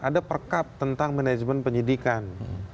ada perkab tentang manajemen penyidikan